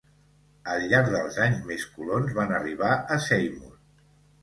Al llarg dels anys més colons van arribar a Seymour.